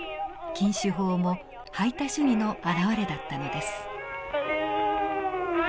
禁酒法も排他主義の表れだったのです。